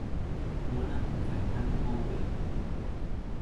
Muốn ăn phải lăn vô bếp